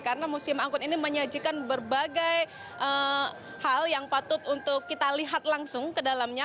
karena museum angkut ini menyajikan berbagai hal yang patut untuk kita lihat langsung ke dalamnya